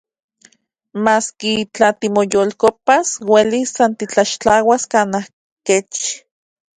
Maski, tla timoyolkopas, uelis san titlaxtlauas kanaj kech.